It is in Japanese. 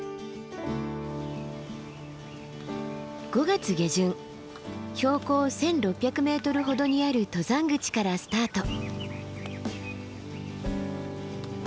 ５月下旬標高１，６００ｍほどにある登山口からスタート。